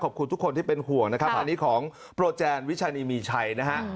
ขอบคุณทุกคนที่เป็นห่วงนะครับอันนี้ของโปรแจนวิชานีมีชัยนะฮะ